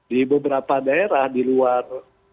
di beberapa daerah di luar